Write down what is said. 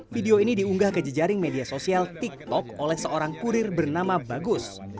video ini diunggah ke jejaring media sosial tiktok oleh seorang kurir bernama bagus